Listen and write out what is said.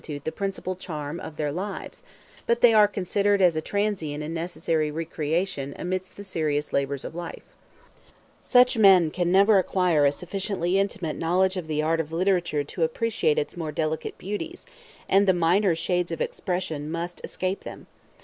These pleasures, therefore, do not constitute the principal charm of their lives; but they are considered as a transient and necessary recreation amidst the serious labors of life. Such man can never acquire a sufficiently intimate knowledge of the art of literature to appreciate its more delicate beauties; and the minor shades of expression must escape them.